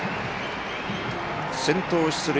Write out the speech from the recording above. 先頭出塁。